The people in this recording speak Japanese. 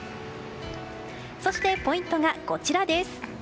そして、ポイントがこちらです。